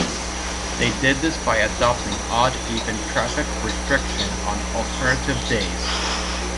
They did this by adopting odd-even traffic restriction on alternative days.